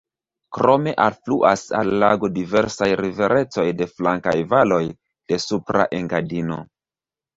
Krome alfluas al la lago diversaj riveretoj de flankaj valoj de Supra Engadino.